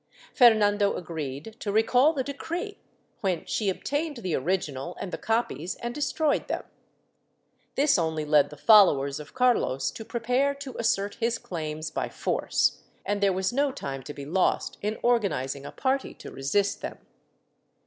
Fernando agreed to recall the decree, when she obtained the original and the copies and destroyed them. This only led the followers of Carlos to prepare to assert his claims by force, and there w^as no time to be lost in organizing a party to resist them.